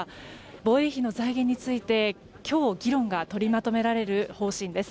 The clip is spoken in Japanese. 防衛費の財源について、今日議論が取りまとめられる方針です。